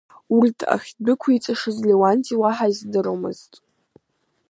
Урҭ ахьдәықәиҵашаз Леуанти уаҳа издыруамызт.